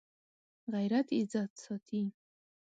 غیرت عزت ساتي